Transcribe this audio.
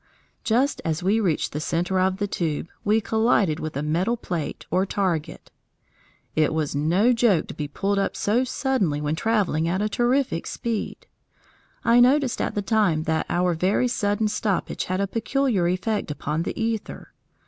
Just as we reached the centre of the tube we collided with a metal plate or target. It was no joke to be pulled up so suddenly when travelling at a terrific speed. I noticed at the time that our very sudden stoppage had a peculiar effect upon the æther.